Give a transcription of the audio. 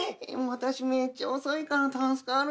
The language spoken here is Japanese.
私めっちゃ遅いから助かる。